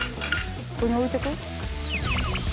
ここに置いとく？